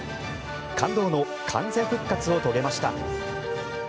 感動の完全復活を遂げました。